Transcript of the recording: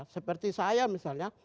seperti saya misalnya